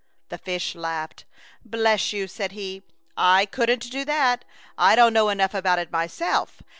" The fish laughed. " Bless you !'' said he, " I couldn't do that. I don't know enough about it myself.